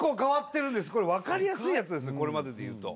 これまででいうと。